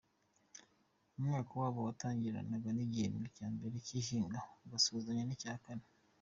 Umwaka wabo watangiranaga n’igihembwe cya mbere cy’ihinga ugasozanya n’icya kane.